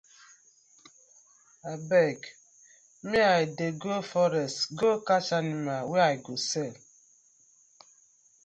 Abeg mi I dey go forest go catch animal wey I go sell.